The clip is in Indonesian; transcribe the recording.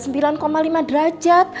demam tinggi banget mbak